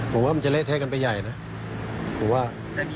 ผมว่ามันจะเละเทะกันไปใหญ่นะผมว่า